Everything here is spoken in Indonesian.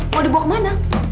mau dibawa kemana